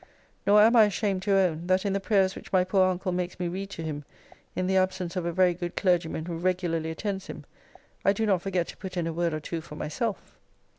Nor am I ashamed to own, that in the prayers which my poor uncle makes me read to him, in the absence of a very good clergyman who regularly attends him, I do not forget to put in a word or two for myself.